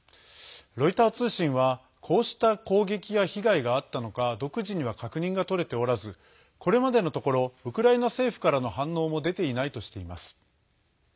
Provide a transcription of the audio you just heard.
ロイター通信はこうした攻撃や被害があったのか独自には確認がとれておれずこれまでのところウクライナ政府からの反応も出ていないとしています。